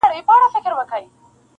چى وطن ته دي بللي خياطان دي-